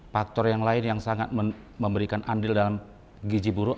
faktor yang lain yang sangat memberikan andil dalam gizi buruk